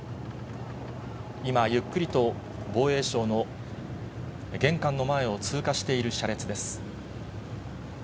今、ゆっくりと防衛省の玄関の前を通過している車列です。